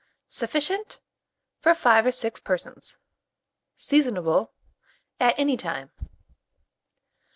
Sufficient for 5 or 6 persons. Seasonable at any time.